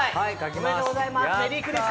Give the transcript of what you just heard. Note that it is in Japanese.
おめでとうございます。